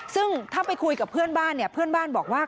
ซึ่งถ้าไปคุยกับเพื่อนบ้านเนี่ยเพื่อนบ้านบอกว่า